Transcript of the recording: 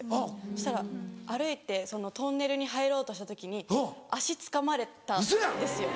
そしたら歩いてトンネルに入ろうとした時に足つかまれたんですよ